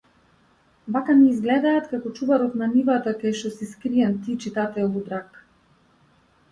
Вака ми излгедат како чуварот на нивата кај шо си скриен ти читателу драг.